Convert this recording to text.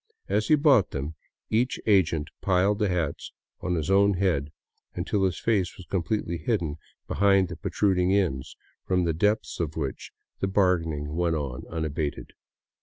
As he bought them, each agent piled the hats on his own head until his face was completely hidden behind the protruding ends, from the depths of which the bargaining went on unabated.